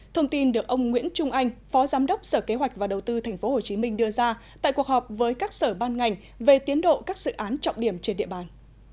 thông tin được ông nguyễn trung anh phó giám đốc sở kế hoạch và đầu tư tp hcm đưa ra tại cuộc họp với các sở ban ngành về tiến độ các dự án trọng điểm trên địa bàn